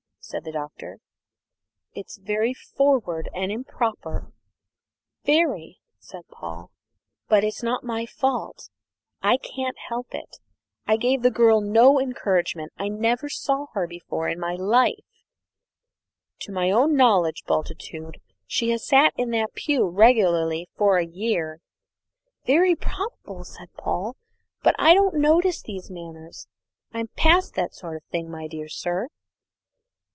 said the Doctor. "It's very forward and improper very," said Paul; "but it's not my fault I can't help it. I gave the girl no encouragement. I never saw her before in all my life!" "To my own knowledge, Bultitude, she has sat in that pew regularly for a year." "Very probably," said Paul, "but I don't notice these matters. I'm past that sort of thing, my dear sir."